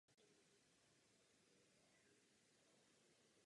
Unikátní je přítomnost hranice jury a křídy.